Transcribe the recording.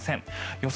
予想